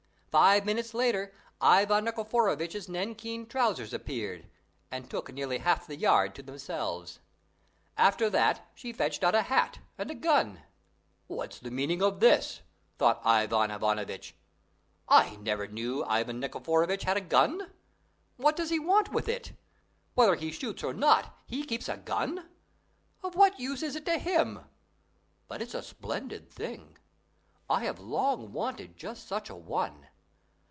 Five minutes later, Ivan Nikiforovitch's nankeen trousers appeared, and took nearly half the yard to themselves. After that she fetched out a hat and a gun. "What's the meaning of this?" thought Ivan Ivanovitch. "I never knew Ivan Nikiforovitch had a gun. What does he want with it? Whether he shoots, or not, he keeps a gun! Of what use is it to him? But it's a splendid thing. I have long wanted just such a one.